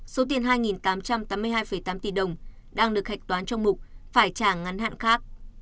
số tiền hai tám trăm tám mươi hai tám tỷ đồng đang được hạch toán trong mục phải trả ngắn hạn khác